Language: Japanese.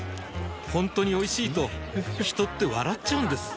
ほんとにおいしいと人って笑っちゃうんです